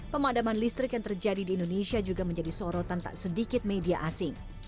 pemadaman listrik yang terjadi di indonesia juga menjadi sorotan tak sedikit media asing